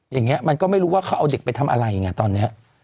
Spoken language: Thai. อย่างเนี้ยมันก็ไม่รู้ว่าเขาเอาเด็กไปทำอะไรอย่างเนี้ยตอนเนี้ย